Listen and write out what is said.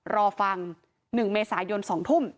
รอฟัง๑เมษายน๒ทุ่ม